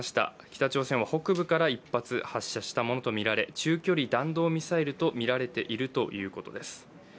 北朝鮮は北部から１発発射したものとみられ中距離弾道ミサイルとみられるということです。